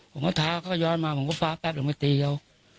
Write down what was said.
ผมก็ท้าเขาก็ย้อนมาผมก็ฟ้าแป๊บลงไปตีเขา